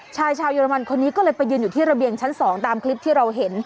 ชายชาวเยอรมันคนนี้ก็เลยไปยืนอยู่ที่ระเบียงชั้น๒ตามคลิปที่เราเห็น